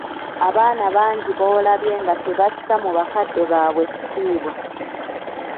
Abaana bangi bolabye nga tebassa mu bakadde baabwe kitiibwa.